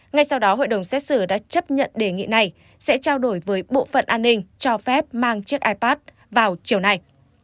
ngay sau đó hội đồng xét xử đã chấp nhận đề nghị này sẽ trao đổi với bộ phận an ninh cho phép mang chiếc ipad vào chiều nay